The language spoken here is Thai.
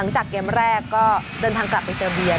จากเกมแรกก็เดินทางกลับไปเติมเบียร์